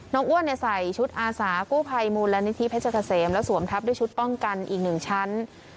น้องอ้วนในใส่ชุดอาสากู้ภัยมูลและนิทธิพระเจ้าเกษมและสวมทัพด้วยชุดป้องกันอีกหนึ่งชั้น